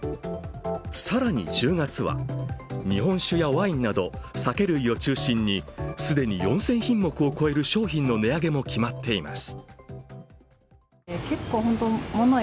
更に、１０月は日本酒やワインなど酒類を中心に既に４０００品目を超える商品の値上げも決まっています。